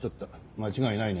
間違いないね？